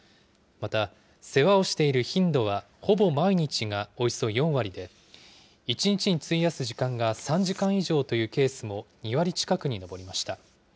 また世話をしている頻度はほぼ毎日がおよそ４割で、１日に費やす時間が３時間以上というケースも２割近くに上りました。